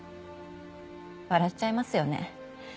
笑っちゃいますよね？